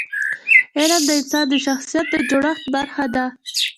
علم د انسان د شخصیت د جوړښت برخه ده.